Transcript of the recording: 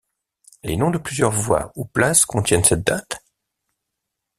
Les noms de plusieurs voies ou places contiennent cette date?